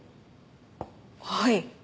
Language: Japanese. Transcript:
はい。